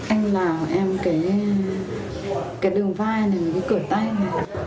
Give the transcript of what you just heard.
anh lào em cái đường vai này cái cửa tay này